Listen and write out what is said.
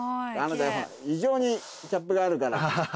あなた異常にキャップがあるから。